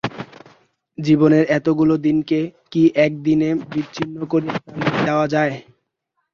জীবনের এতগুলো দিনকে কি একদিনে বিচ্ছিন্ন করিয়া চলিয়া যাওয়া যায়।